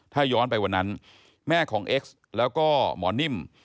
ถ้าย้อนไปวันนั้นแม่ของเอ็กซ์แล้วก็หมอนิ่ม